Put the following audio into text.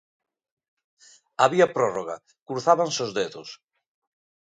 Había prórroga, cruzábanse os dedos.